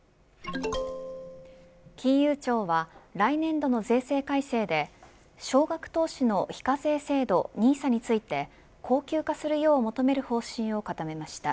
金融庁は来年度の税制改正で少額投資の非課税制度ＮＩＳＡについて恒久化するよう求める方針を固めました。